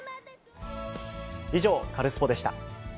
以上、カルスポっ！でした。